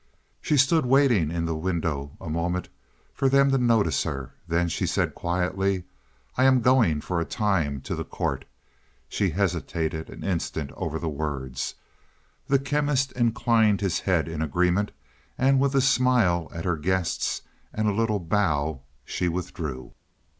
She stood waiting in the window a moment for them to notice her; then she said quietly, "I am going for a time to the court." She hesitated an instant over the words. The Chemist inclined his head in agreement, and with a smile at her guests, and a little bow, she withdrew.